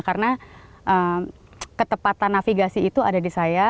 karena ketepatan navigasi itu ada di saya